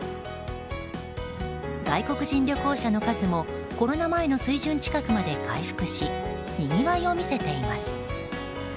外国人旅行者の数もコロナ前の水準近くまで戻りにぎわいを見せています。